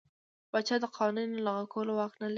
پاچا د قوانینو لغوه کولو واک نه لري.